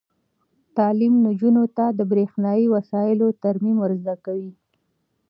تعلیم نجونو ته د برښنايي وسایلو ترمیم ور زده کوي.